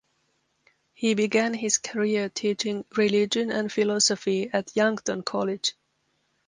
He began his career teaching religion and philosophy at Yankton College.